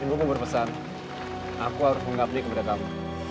ibu ku berpesan aku harus menggabli kepada kamu